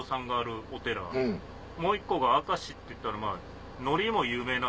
もう１個が明石っていったらまぁ。